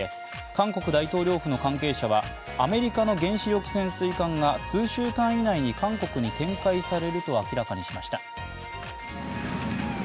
韓国大統領府の関係者はアメリカの原子力潜水艦が数週間以内に韓国に展開されると明らかにしました。